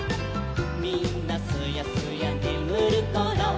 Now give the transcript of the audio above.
「みんなすやすやねむるころ」